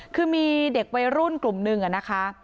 คือมีเด็กวัยรุ่นกลุ่มนึงนะคะ